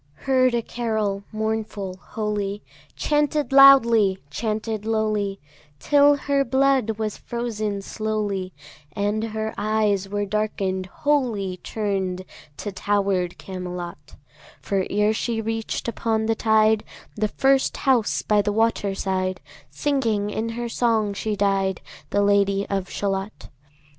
Heard a carol, mournful, holy, Chanted loudly, chanted lowly, Till her blood was frozen slowly, And her eyes were darken'd wholly, Turn'd to tower'd Camelot; For ere she reach'd upon the tide The first house by the water side, Singing in her song she died, The Lady of Shalott.